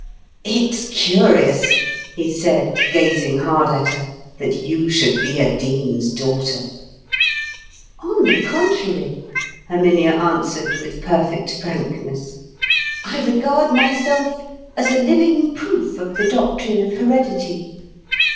"It's curious," he said, gazing hard at her, "that you should be a dean's daughter." "On the contrary," Herminia answered, with perfect frankness, "I regard myself as a living proof of the doctrine of heredity."